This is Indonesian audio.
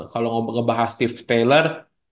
kalau ngebahas steve taylor